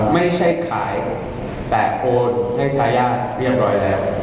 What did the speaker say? ไม่ใช่ขายแต่โอนให้ทายาทเรียบร้อยแล้ว